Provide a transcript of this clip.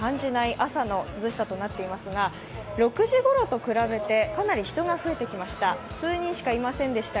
朝の涼しさとなっていますが６時ごろと比べてかなり人が増えてきました。